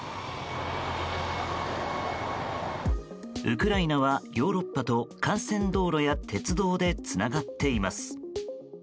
ウクライナは、ヨーロッパと幹線道路や鉄道でつながっています。